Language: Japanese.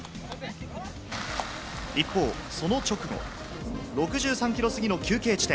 一方、その直後、６３ｋｍ過ぎの休憩地点。